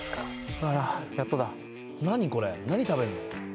あらやっとだ何これ何食べるの？